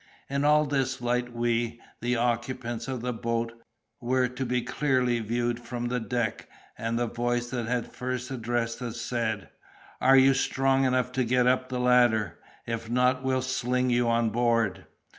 In all this light we, the occupants of the boat, were to be clearly viewed from the deck; and the voice that had first addressed us said: "Are you strong enough to get up the ladder? If not, we'll sling you on board."